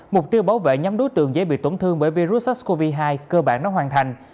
mục tiêu bảo vệ nhóm đối tượng dễ bị tổn thương bởi virus sars cov hai cơ bản đã hoàn thành